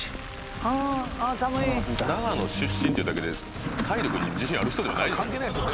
長野出身っていうだけで体力に自信ある人ではないでしょ。